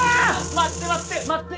待って待って待って。